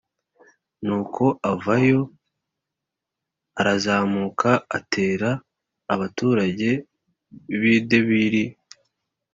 Nuko avayo arazamuka atera abaturage b’i Debiri